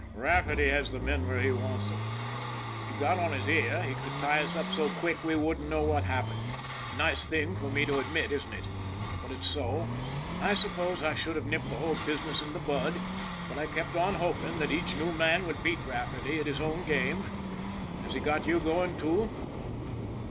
" Rafferty has the men where he wants them. If he got on his ear he could tie us up so quick we wouldn't know what happened. A nice thing for me to admit, isn't it ? But it's so. I suppose I should have nipped the whole business in the bud, but I kept on hoping that each new man would beat Rafferty at his own game. Has he got you going, too